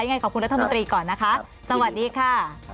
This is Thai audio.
ยังไงขอบคุณรัฐมนตรีก่อนนะคะสวัสดีค่ะ